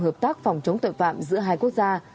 hợp tác phòng chống tội phạm giữa hai quốc gia